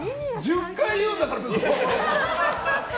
１０回言うんだから。